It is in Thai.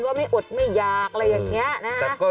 ว่าไม่อดไม่อยากอะไรอย่างนี้นะฮะ